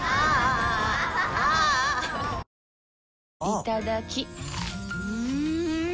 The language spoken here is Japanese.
いただきっ！